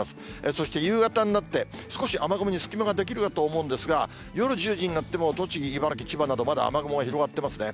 そして、夕方になって、少し雨雲に隙間が出来るかと思うんですが、夜１０時になっても、栃木、茨城、千葉など、まだ雨雲が広がってますね。